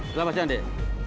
kelapa siang dek